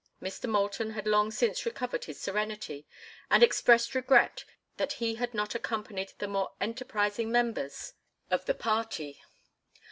Mr. Moulton had long since recovered his serenity and expressed regret that he had not accompanied the more enterprising members of the party.